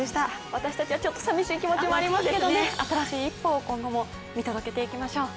私たちは、ちょっとさみしい気持ちもありますけどね新しい一歩を今後も見届けていきましょう。